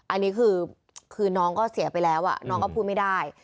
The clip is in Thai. อันนี้คือน้องก็เสียไปแล้วน้องก็พูดไม่ได้